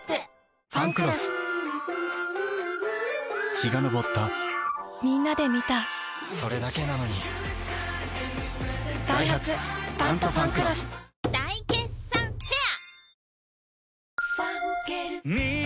陽が昇ったみんなで観たそれだけなのにダイハツ「タントファンクロス」大決算フェア